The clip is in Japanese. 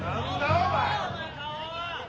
お前。